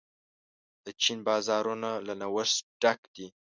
د چین بازارونه له نوښت ډک دي.